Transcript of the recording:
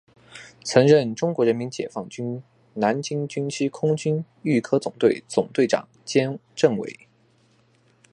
曾任中国人民解放军南京军区空军预科总队总队长兼政委。